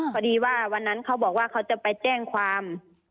พอดีว่าวันนั้นเขาบอกว่าเขาจะไปแจ้งความ